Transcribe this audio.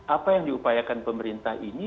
apa yang diupayakan pemerintah ini